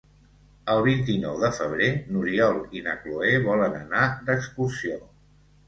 El vint-i-nou de febrer n'Oriol i na Cloè volen anar d'excursió.